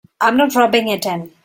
I'm not rubbing it in.